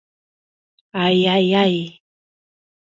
¡Ai, ai, ai...!